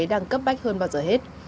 đang cấp bách hơn bao giờ hết